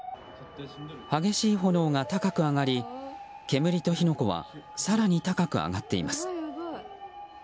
激しい炎が高く上がり煙と火の粉は更に高く上がっています。